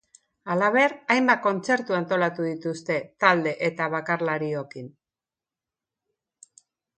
Halaber, hainbat kontzertu antolatuko dituzte talde eta bakarlariokin.